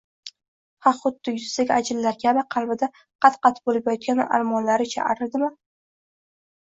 Ha, xuddi yuzidagi ajinlar kabi, qalbida qat-qat bo‘lib yotgan armonlari-chi, aridimi?